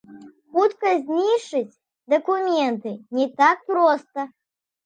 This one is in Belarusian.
Хутка знішчыць дакументы не так проста.